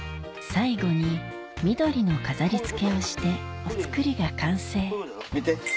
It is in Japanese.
最後に緑の飾りつけをしてお造りが完成見て。